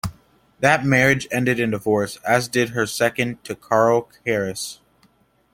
That marriage ended in divorce, as did her second, to Carl Karas.